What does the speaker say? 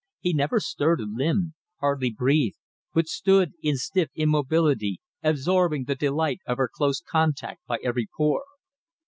He never stirred a limb, hardly breathed, but stood in stiff immobility, absorbing the delight of her close contact by every pore.